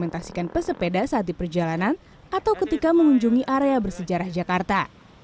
mereka bisa mendokumentasikan pesepeda saat di perjalanan atau ketika mengunjungi area bersejarah jakarta